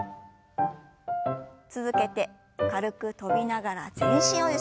続けて軽く跳びながら全身をゆすります。